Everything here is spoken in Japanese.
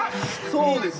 そうです。